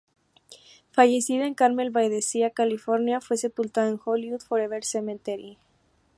Fallecida en Carmel-by-the-Sea, California, fue sepultada en el Hollywood Forever Cemetery.